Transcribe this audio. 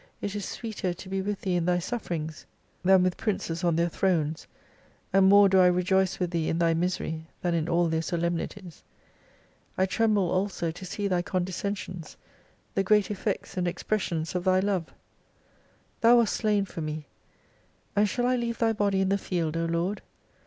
It issweeter to be with Thee in Thy sufferings, than with princes on their 67 Thrones, and more do I rejoice with Thee in Thy misery, than in all their solemnities. I tremble also to see Thy condescencions, the great effects and ex pressions of Thy love ! Thou wast slain for me : and shaU I leave Thy body in the field, O Lord